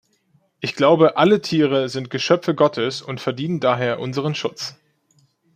Ich glaube, alle Tiere sind Geschöpfe Gottes und verdienen daher unseren Schutz.